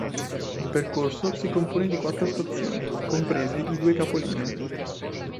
Il percorso si compone di quattro stazioni, compresi i due capolinea.